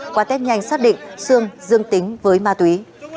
qua tết nhanh xác định sương dương tính với ma túy